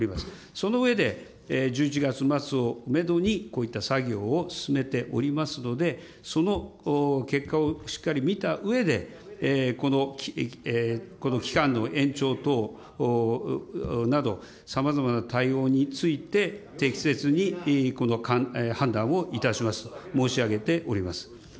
その上で、１１月末をメドにこういった作業を進めておりますので、その結果をしっかり見たうえで、この期間の延長等など、さまざまな対応について、適切に判断をいたしますと申し上げております。